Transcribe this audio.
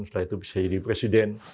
setelah itu bisa jadi presiden